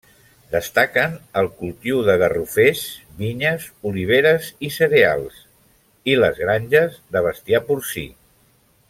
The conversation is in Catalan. Destaquen el cultiu de garrofers, vinyes, oliveres i cereals, i les granges de bestiar porcí.